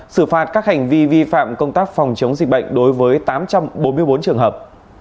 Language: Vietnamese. xử phạt các hành vi vi phạm công tác phòng chống dịch bệnh đối với tám trăm bốn mươi bốn trường hợp